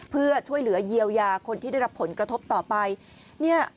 เพื่อช่วยเหลือเยียวยาคนที่ได้รับผลกระทบต่อไปเนี่ย